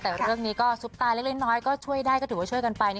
ค่ะวันเรื่องนี้ซุปตายน้อยก็ช่วยได้ก็ถือช่วยไป